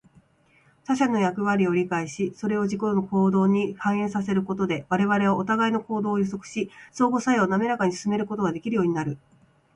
他者の役割を理解し、それを自己の行動に反映させることで、我々はお互いの行動を予測し、相互作用をなめらかに進めることができるようになる。